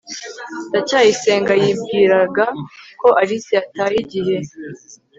ndacyayisenga yibwiraga ko alice yataye igihe